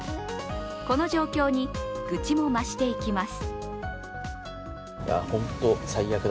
この状況に愚痴も増していきます。